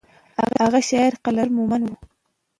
هغه شاعر قلندر مومند و.